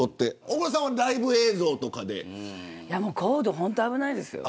大黒さんはライブ映像とかで。コード、本当に危ないですよ。